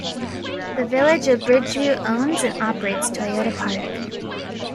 The Village of Bridgeview owns and operates Toyota Park.